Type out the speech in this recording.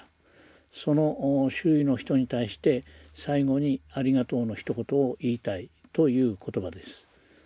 その周囲の人に対して最後にありがとうのひと言を言いたいという言葉です。